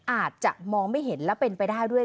อาจจะมองไม่เห็นและเป็นไปได้ด้วย